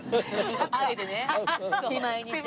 あえてね手前にしてね。